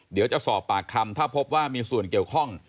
เดี๋ยวจะสอบปากคำถ้าพบว่ามีส่วนเกี่ยวข้อง